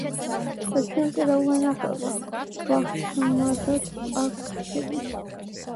და ჩვენ კი რა გვენაღვლება ვახშმადაც აქ დავრჩებითო